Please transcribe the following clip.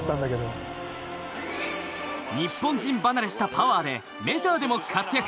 日本人離れしたパワーでメジャーでも活躍